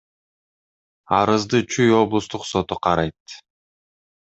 Арызды Чүй облустук соту карайт.